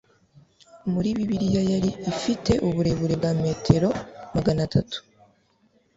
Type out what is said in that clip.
Muri Bibiliya yari ifite uburebure bwa metero Magana tatu